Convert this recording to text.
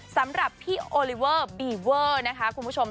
สำหรับพี่โอลิเวอร์บีเวอร์นะคะคุณผู้ชม